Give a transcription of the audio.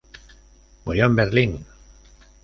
Murió en Berlín.